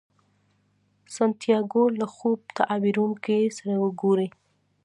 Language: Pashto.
سانتیاګو له خوب تعبیرونکي سره ګوري.